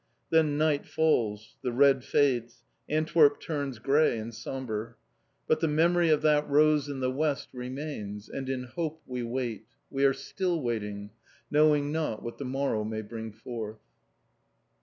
Then night falls; the red fades; Antwerp turns grey and sombre. But the memory of that rose in the west remains, and in hope we wait, we are still waiting, knowing not what the morrow may bring forth.